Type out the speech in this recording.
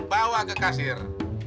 bawa ke kasir